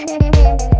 kau mau kemana